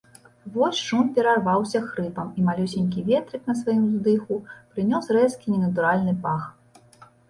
Вось шум перарваўся хрыпам, і малюсенькі ветрык на сваім уздыху прынёс рэзкі ненатуральны пах.